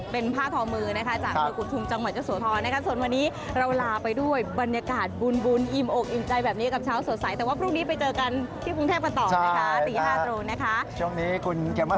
เป็นผ้าทอมือจากเมืองกุธุมจังหวัดยะโสธรนะครับ